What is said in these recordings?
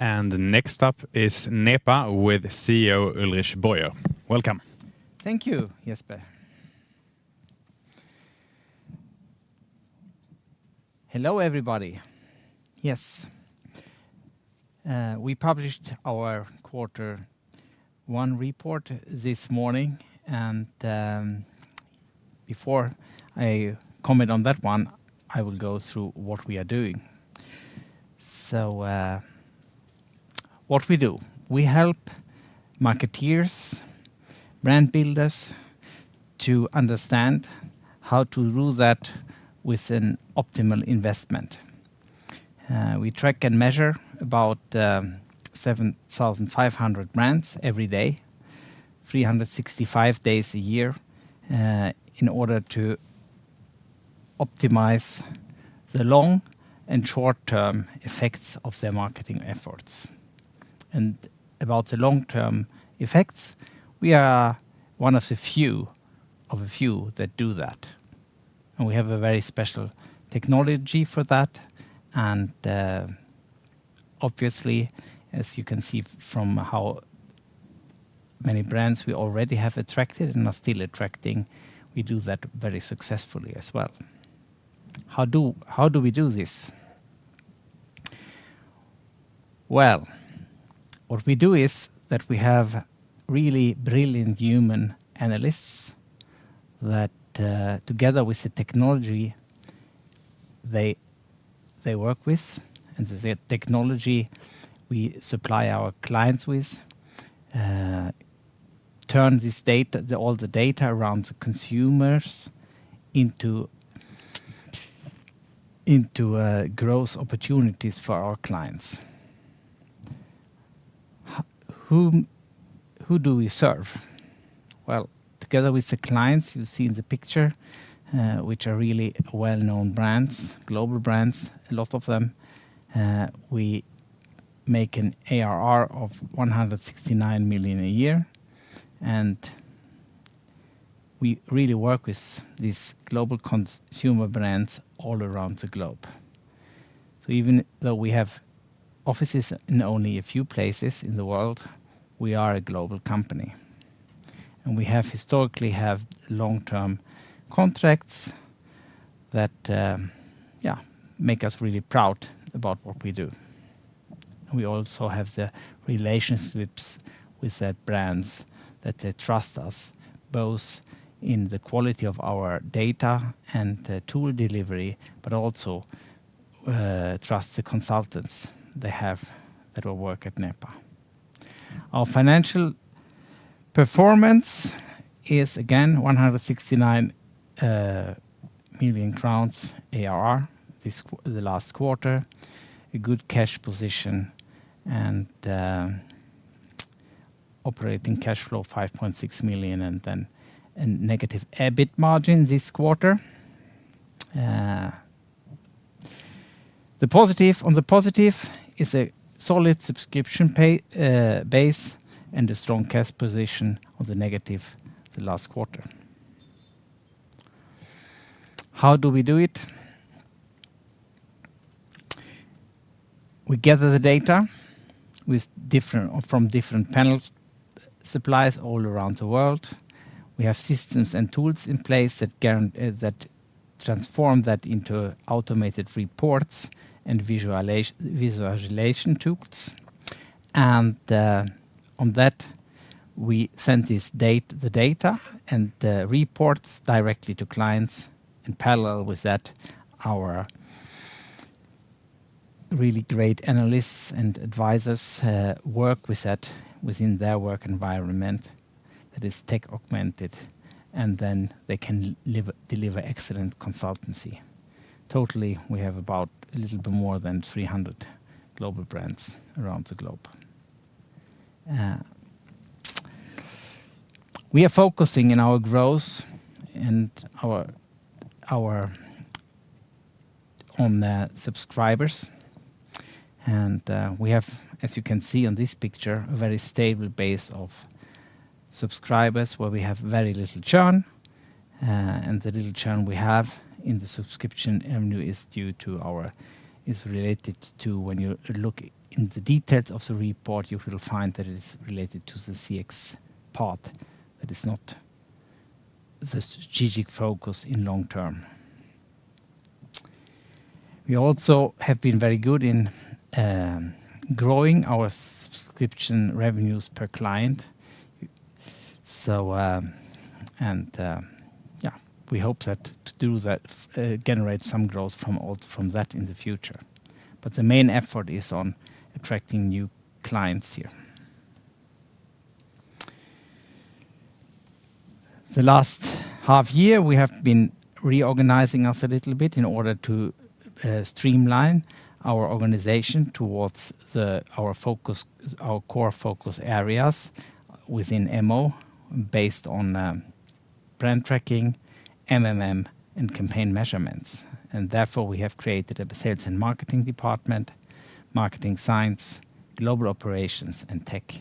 Next up is Nepa with CEO Ulrich Boyer, welcome. Thank you, Jasper. Hello, everybody. Yes. We published our quarter one report this morning, and before I comment on that one, I will go through what we are doing. What we do, we help marketeers, brand builders to understand how to rule that with an optimal investment. We track and measure about 7,500 brands every day, 365 days a year, in order to optimize the long and short-term effects of their marketing efforts. About the long-term effects, we are one of the few of a few that do that, and we have a very special technology for that. Obviously, as you can see from how many brands we already have attracted and are still attracting, we do that very successfully as well. How do we do this? Well, what we do is that we have really brilliant human analysts that, together with the technology they work with and the technology we supply our clients with, turn this data, all the data around the consumers into growth opportunities for our clients. Who do we serve? Well, together with the clients you see in the picture, which are really well-known brands, global brands, a lot of them, we make an ARR of 169 million a year, we really work with these global consumer brands all around the globe. Even though we have offices in only a few places in the world, we are a global company, and we historically have long-term contracts that, yeah, make us really proud about what we do. We also have the relationships with the brands that they trust us, both in the quality of our data and the tool delivery, but also trust the consultants they have that all work at Nepa. Our financial performance is again 169 million crowns ARR this last quarter. A good cash position and operating cash flow 5.6 million, and then a negative EBIT margin this quarter. The positive. On the positive is a solid subscription pay base and a strong cash position. On the negative, the last quarter. How do we do it? We gather the data with different or from different panels, suppliers all around the world. We have systems and tools in place that transform that into automated reports and visualization tools. On that, we send the data and the reports directly to clients. In parallel with that, our really great analysts and advisors work with that within their work environment that is tech-augmented, then they can deliver excellent consultancy. Totally, we have about a little bit more than 300 global brands around the globe. We are focusing in our growth and our, on the subscribers, we have, as you can see on this picture, a very stable base of subscribers where we have very little churn. The little churn we have in the subscription revenue is related to when you look in the details of the report, you will find that it is related to the CX part that is not the strategic focus in long term. We also have been very good in growing our subscription revenues per client. Yeah, we hope that to do that, generate some growth from that in the future. The main effort is on attracting new clients here. The last half year, we have been reorganizing us a little bit in order to streamline our organization towards our focus, our core focus areas within MO based on brand tracking, MMM, and campaign measurements. Therefore, we have created a sales and marketing department, marketing science, global operations, and tech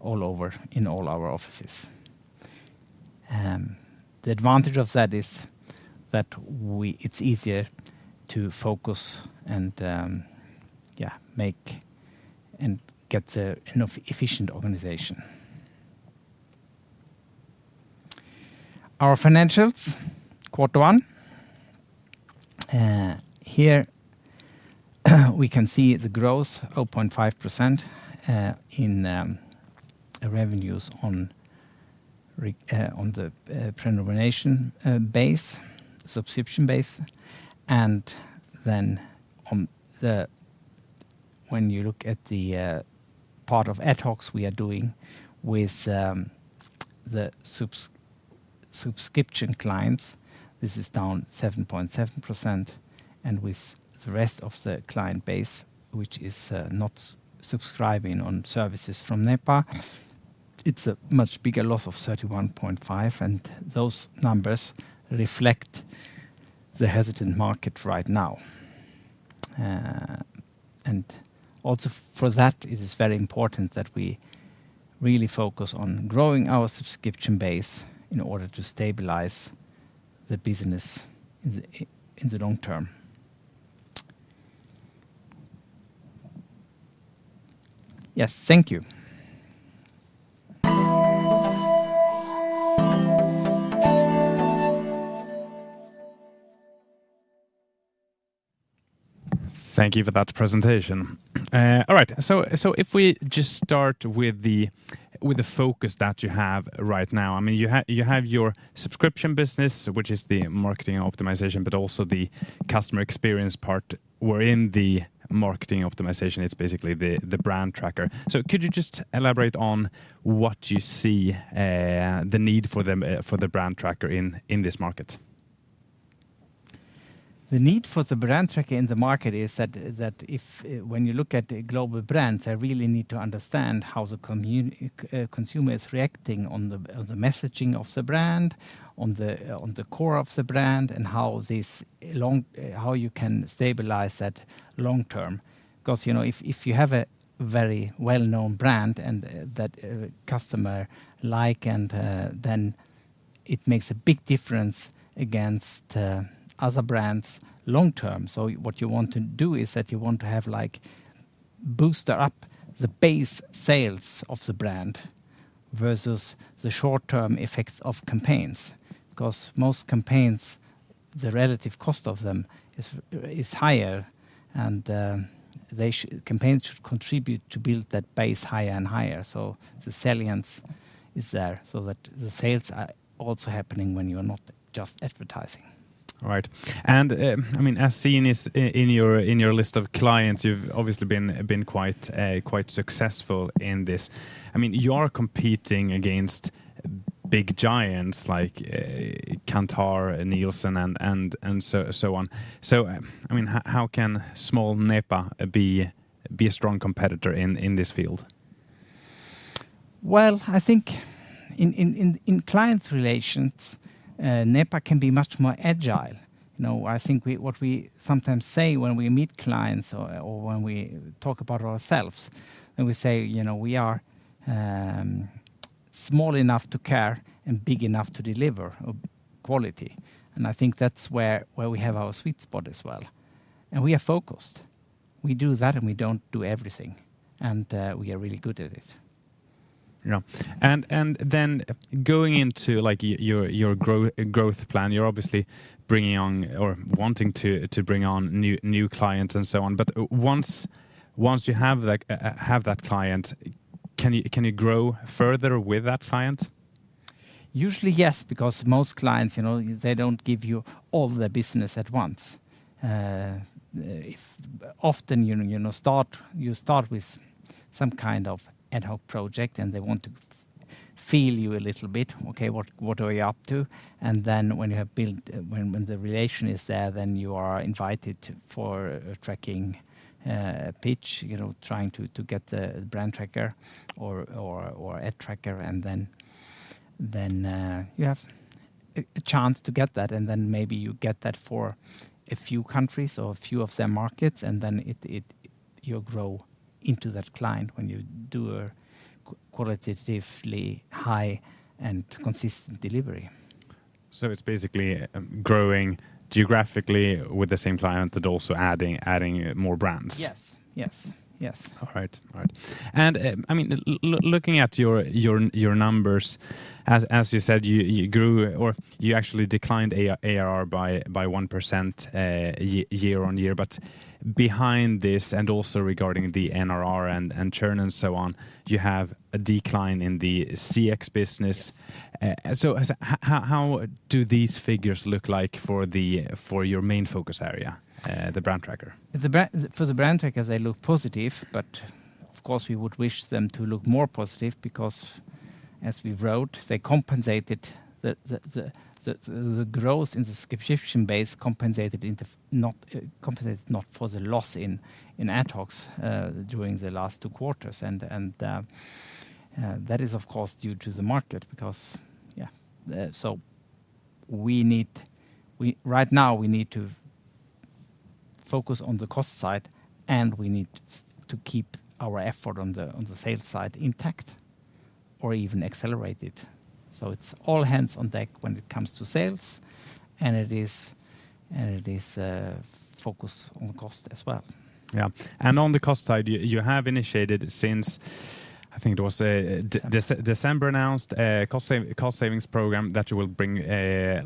all over in all our offices. The advantage of that is that we it's easier to focus and, yeah, make and get an efficient organization. Our financials, quarter one. Here, we can see the growth, 0.5%, in revenues on the pre-nomination base, subscription base. When you look at the part of ad hocs we are doing with the subscription clients, this is down 7.7%. With the rest of the client base, which is not subscribing on services from Nepa, it's a much bigger loss of 31.5%. Those numbers reflect the hesitant market right now. Also for that, it is very important that we really focus on growing our subscription base in order to stabilize the business in the long term. Yes. Thank you. Thank you for that presentation. All right. If we just start with the focus that you have right now. I mean, you have your subscription business, which is the Marketing Optimization, but also the customer experience part, where in the Marketing Optimization, it's basically the brand tracker. Could you just elaborate on what you see the need for them for the brand tracker in this market? The need for the brand tracker in the market is that if when you look at the global brands, they really need to understand how the consumer is reacting on the messaging of the brand, on the core of the brand, and how this long, how you can stabilize that long term. You know, if you have a very well-known brand and that customer like, and then it makes a big difference against other brands long term. What you want to do is that you want to have like booster up the base sales of the brand versus the short-term effects of campaigns. Most campaigns, the relative cost of them is higher and they campaigns should contribute to build that base higher and higher. The salience is there so that the sales are also happening when you're not just advertising. All right. I mean, as seen in your, in your list of clients, you've obviously been quite successful in this. I mean, you are competing against big giants like Kantar and Nielsen and so on. I mean, how can small Nepa be a strong competitor in this field? Well, I think in clients relations, Nepa can be much more agile. You know, I think what we sometimes say when we meet clients or when we talk about ourselves, and we say, you know, "We are small enough to care and big enough to deliver quality." I think that's where we have our sweet spot as well. We are focused. We do that, and we don't do everything, and we are really good at it. You know, then going into, like, your growth plan, you're obviously bringing on or wanting to bring on new clients and so on. Once you have that client, can you grow further with that client? Usually, yes, because most clients, you know, they don't give you all the business at once. Often, you know, you start with some kind of ad hoc project, and they want to feel you a little bit. "Okay, what are you up to?" When you have built, when the relation is there, then you are invited to, for a tracking pitch, you know, trying to get the brand tracker or ad tracker. Then you have a chance to get that. Then maybe you get that for a few countries or a few of their markets, and then it you'll grow into that client when you do a qualitatively high and consistent delivery. It's basically growing geographically with the same client but also adding more brands? Yes. Yes. Yes. All right. All right. I mean, looking at your numbers, as you said, you grew or you actually declined ARR by 1% year-on-year. Behind this, and also regarding the NRR and churn and so on, you have a decline in the CX business. Yes. As, how do these figures look like for the, for your main focus area, the brand tracker? For the brand trackers, they look positive, but of course, we would wish them to look more positive because as we've wrote, they compensated the growth in the subscription base compensated not for the loss in ad hocs during the last two quarters. That is of course due to the market because yeah. Right now, we need to focus on the cost side, and we need to keep our effort on the sales side intact or even accelerated. It's all hands on deck when it comes to sales, and it is focused on cost as well. Yeah. On the cost side, you have initiated since, I think it was, December announced a cost savings program that you will bring,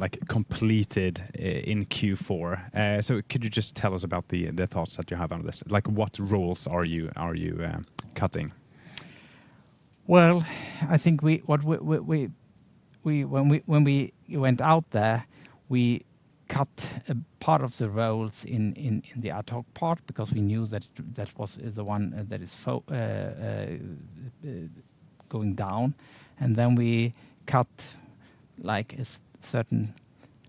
like completed in Q4. Could you just tell us about the thoughts that you have on this? Like, what roles are you cutting? Well, I think what we when we went out there, we cut a part of the roles in the ad hoc part because we knew that that is the one that is going down. We cut like a certain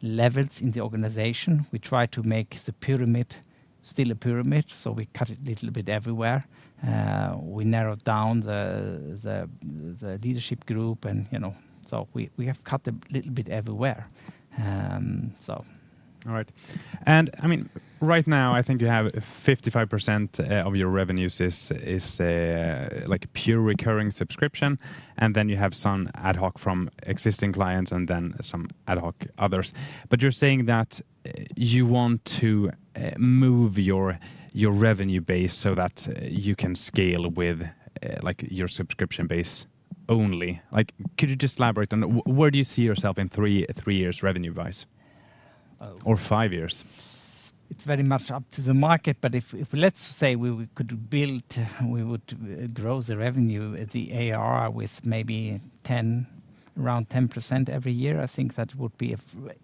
levels in the organization. We try to make the pyramid still a pyramid, we cut it little bit everywhere. We narrowed down the leadership group and, you know, we have cut a little bit everywhere. All right. I mean, right now I think you have 55% of your revenues is like pure recurring subscription, and then you have some ad hoc from existing clients and then some ad hoc others. You're saying that you want to move your revenue base so that you can scale with like your subscription base only. Could you just elaborate on where do you see yourself in three years revenue-wise? five years? It's very much up to the market, if let's say we could build, we would grow the revenue at the ARR with maybe 10, around 10% every year. I think that would be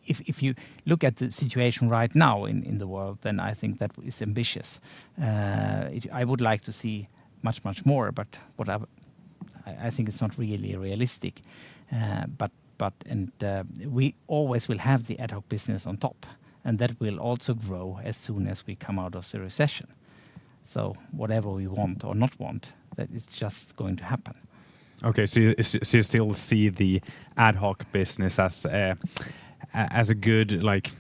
if you look at the situation right now in the world, then I think that is ambitious. I would like to see much, much more, but I think it's not really realistic. We always will have the ad hoc business on top, and that will also grow as soon as we come out of the recession. Whatever we want or not want, that is just going to happen. Okay. You still see the ad hoc business as a good, like,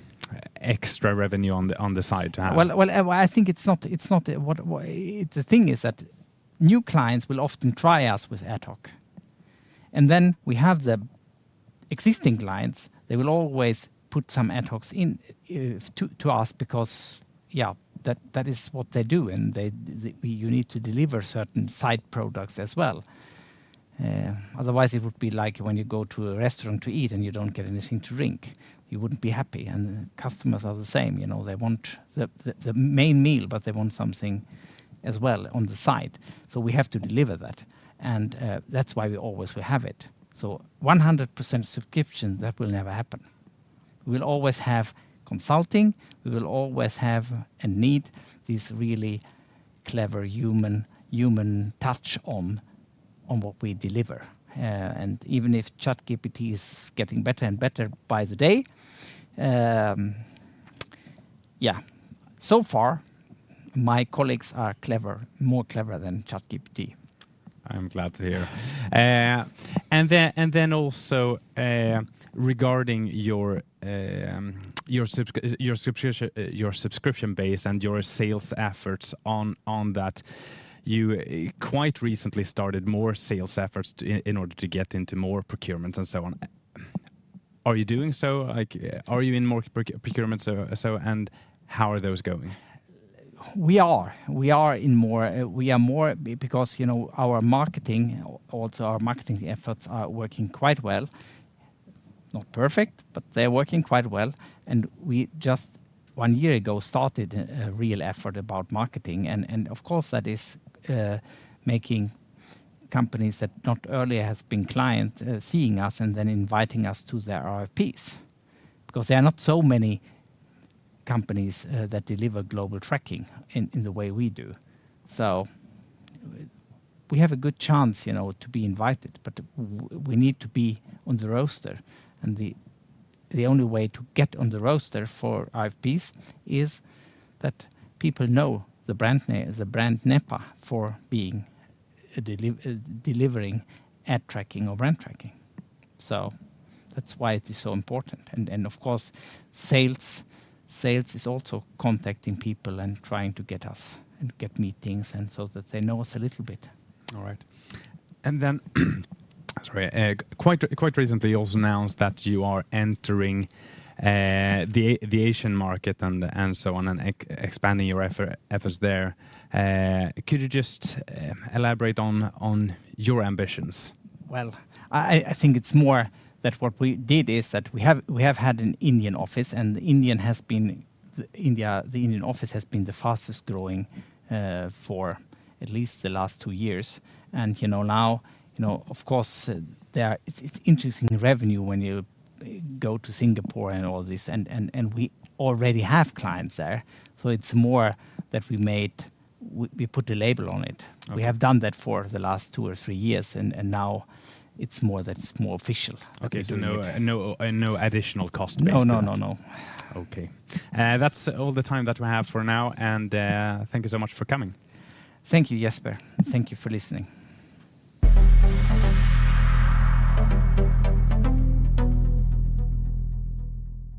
extra revenue on the side to have? Well, I think it's not, it's not a what... The thing is that new clients will often try us with ad hoc, we have the existing clients, they will always put some ad hocs in to us because, yeah, that is what they do and they, you need to deliver certain side products as well. Otherwise it would be like when you go to a restaurant to eat and you don't get anything to drink, you wouldn't be happy, and customers are the same, you know? They want the main meal, but they want something as well on the side, so we have to deliver that. That's why we always will have it. 100% subscription, that will never happen. We'll always have consulting. We will always have and need these really clever human touch on what we deliver. Even if ChatGPT is getting better and better by the day, yeah, so far my colleagues are clever, more clever than ChatGPT. I'm glad to hear. Then, and then also, regarding your subscription base and your sales efforts on that, you quite recently started more sales efforts in order to get into more procurements and so on. Are you doing so? Like, are you in more procurement so? How are those going? We are in more because, you know, our marketing, also our marketing efforts are working quite well. Not perfect, but they're working quite well. We just one year ago started a real effort about marketing and of course that is making companies that not earlier has been client seeing us and then inviting us to their RFPs. There are not so many companies that deliver global tracking in the way we do. We have a good chance, you know, to be invited, but we need to be on the roster. The only way to get on the roster for RFPs is that people know the brand Nepa for being delivering ad tracking or brand tracking. That's why it is so important. Of course, sales is also contacting people and trying to get us and get meetings and so that they know us a little bit. All right. Sorry. Quite recently you also announced that you are entering the Asian market and so on, and expanding your efforts there. Could you just elaborate on your ambitions? Well, I think it's more that what we did is that we have had an Indian office, and the Indian office has been the fastest growing for at least the last two years. You know, now, you know, of course, It's interesting revenue when you go to Singapore and all this and we already have clients there. It's more that We put a label on it. Okay. We have done that for the last two or three years, and now it's more that it's more official that we're doing it. Okay. No, no additional cost based on that? No, no, no. Okay. That's all the time that we have for now, and, thank you so much for coming. Thank you, Jasper. Thank you for listening.